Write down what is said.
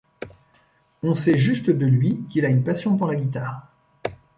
On sait juste de lui qu'il a une passion pour la guitare.